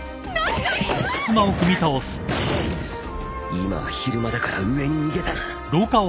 今は昼間だから上に逃げたな